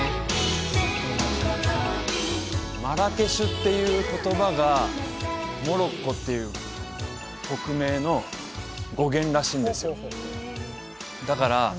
っていう言葉がモロッコっていう国名の語源らしいんですよだから